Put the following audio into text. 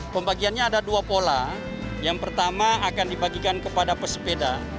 pembagiannya ada dua pola yang pertama akan dibagikan kepada pesepeda